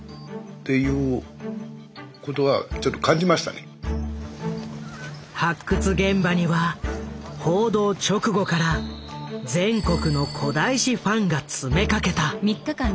もうなんか発掘現場には報道直後から全国の古代史ファンが詰めかけた。